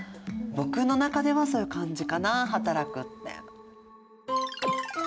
僕の中ではそういう感じかな働くって。